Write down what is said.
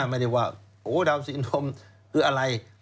ไม่ได้ว่าโหดาวน์ซินโดรมคืออะไร